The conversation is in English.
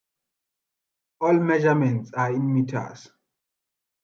All measurements are in metres.